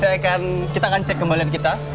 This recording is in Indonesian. saya akan kita akan cek kembali lihat kita